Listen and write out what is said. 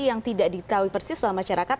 yang tidak ditahui persis dalam masyarakat